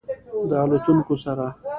د الوتونکو سره